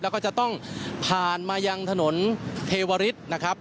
แล้วก็จะต้องผ่านมายังถนนเทวริสนะครับ